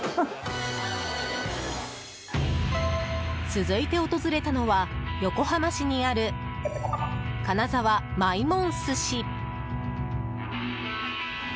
続いて訪れたのは横浜市にある金沢まいもん寿司。